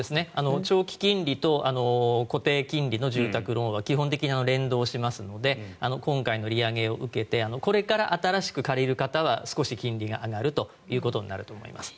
長期金利と固定金利の住宅ローンは基本的に連動しますので今回の利上げを受けてこれから新しく借りる方は少し金利が上がるということになると思います。